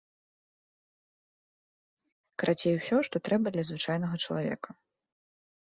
Карацей усё, што трэба для звычайнага чалавека.